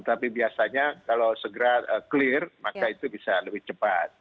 tapi biasanya kalau segera clear maka itu bisa lebih cepat